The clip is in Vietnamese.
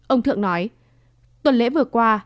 ông thượng nói tuần lễ vừa qua